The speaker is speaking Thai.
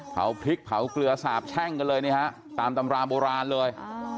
เผาพริกเผาเกลือสาบแช่งกันเลยนี่ฮะตามตำราโบราณเลย